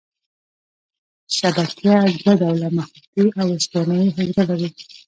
شبکیه دوه ډوله مخروطي او استوانه یي حجرې لري.